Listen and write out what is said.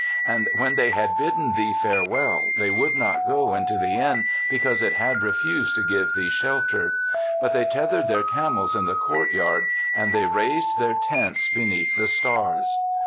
And when they had bidden thee farewell, they would not go into the inn because it had refused to give thee shelter; but they teth ered their camels in the courtyard and they raised their tents beneath the stars.